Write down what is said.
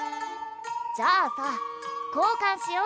じゃあさこうかんしよ。